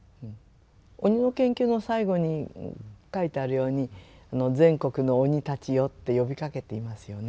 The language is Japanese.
「鬼の研究」の最後に書いてあるように「全国の鬼たちよ」って呼びかけていますよね。